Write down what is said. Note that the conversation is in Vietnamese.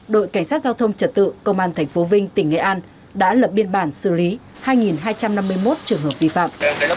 đội cảnh sát giao thông trật tự công an tp vinh tỉnh nghệ an đã lập biên bản xử lý hai hai trăm năm mươi một trường hợp vi phạm